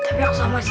tapi aku sama sih